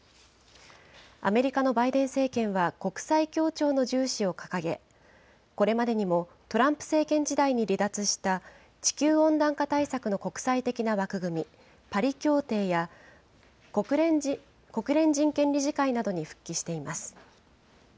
アメリカのバイデン政権は国際協調の重視を掲げ、これまでにもトランプ政権時代に離脱した地球温暖化対策の国際的な枠組み、パリ協定や、国連人権理事会などに復帰しています。